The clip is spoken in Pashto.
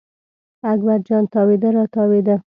اکبر جان تاوېده را تاوېده.